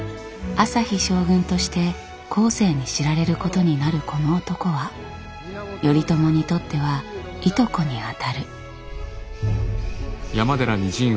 旭将軍として後世に知られることになるこの男は頼朝にとってはいとこにあたる。